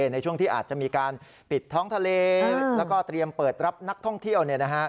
ในช่วงที่อาจจะมีการปิดท้องทะเลแล้วก็เตรียมเปิดรับนักท่องเที่ยว